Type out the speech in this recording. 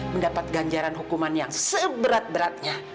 mendapat ganjaran hukuman yang seberat beratnya